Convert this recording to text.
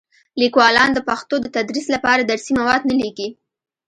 لیکوالان د پښتو د تدریس لپاره درسي مواد نه لیکي.